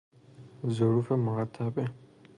ظروف مرتبه